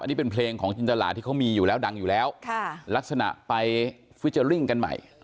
อันนี้เป็นเพลงของจินตราภูลลาภที่เขามีดังอยู่แล้วลักษณะไปฟิเจอร์ริ่งกันใหม่